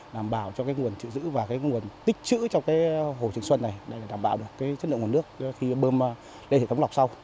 đảm bảo cho nguồn chữ giữ và nguồn tích chữ trong hồ trường xuân này để đảm bảo chất lượng nguồn nước khi bơm lên hệ thống lọc sau